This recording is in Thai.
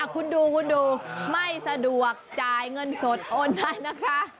คุณดูไม่สะดวกจ่ายเงินสดโอนได้นะคะ